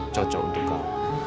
cocok untuk kau